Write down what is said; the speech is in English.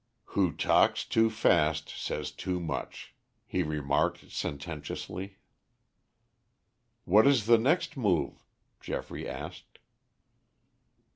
"Who talks too fast says too much," he remarked sententiously. "What is the next move?" Geoffrey asked.